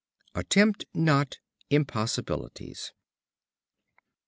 Attempt not impossibilities.